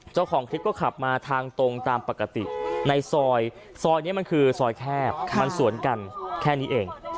เจ้าของคลิปก็ขับมาทางตรงตามปกติในซอยซอยนี้มันคือซอยแคบมันสวนกันแค่นี้เอง